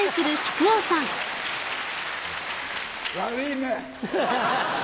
悪いね。